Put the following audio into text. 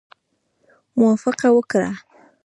موافقه وکړه.